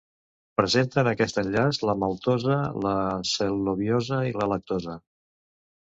Presenten aquest enllaç la maltosa, la cel·lobiosa i la lactosa.